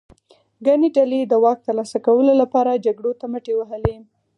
ګڼې ډلې د واک ترلاسه کولو لپاره جګړو ته مټې وهي.